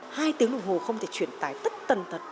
hai tiếng đồng hồ không thể truyền tải tất tần thật